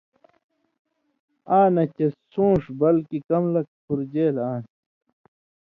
آں نہ چے سُون٘ݜ بلکے کم لَک پُھرژېل آن٘س۔